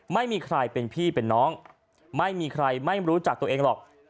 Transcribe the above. ไม่มีใครเป็นพี่เป็นน้องไม่มีใครไม่รู้จักตัวเองหรอก